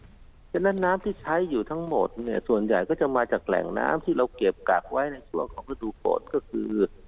เพราะฉะนั้นน้ำที่ใช้อยู่ทั้งหมดเนี่ยส่วนใหญ่ก็จะมาจากแหล่งน้ำที่เราเก็บกักไว้ในส่วนของฤดูฝนก็คือ